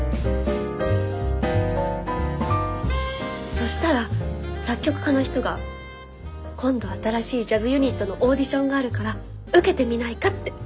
そしたら作曲家の人が今度新しいジャズユニットのオーディションがあるから受けてみないかって。